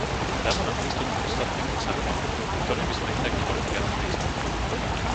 Dáva nám prístup k ostatným oceánom, ku ktorým by sme inak nemali priamy prístup.